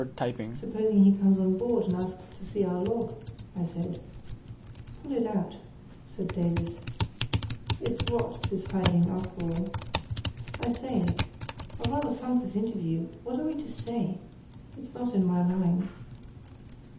"Supposing he comes on board and asks to see our log?" I said. "Pull it out," said Davies, "It's rot, this hiding, after all, I say. I rather funk this interview; what are we to say? It's not in my line."